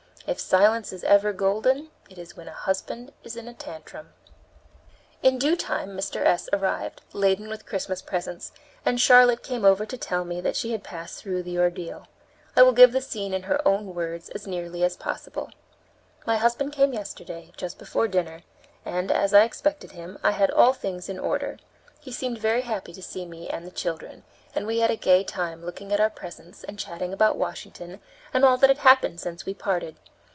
If silence is ever golden, it is when a husband is in a tantrum." In due time Mr. S. arrived, laden with Christmas presents, and Charlotte came over to tell me that she had passed through the ordeal. I will give the scene in her own words as nearly as possible. "My husband came yesterday, just before dinner, and, as I expected him, I had all things in order. He seemed very happy to see me and the children, and we had a gay time looking at our presents and chatting about Washington and all that had happened since we parted.